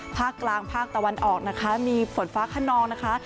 ภาคกลางภาคตะวันออกนะคะมีฝนฟ้าขนองนะคะ